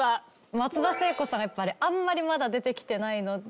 松田聖子さんがやっぱりあんまりまだ出てきてないので。